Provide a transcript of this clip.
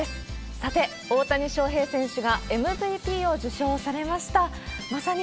さて、大谷翔平選手がＭＶＰを受賞されました。